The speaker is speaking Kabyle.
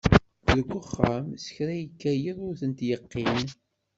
Deg uxxam s kra yekka yiḍ ur tent-yeqqin.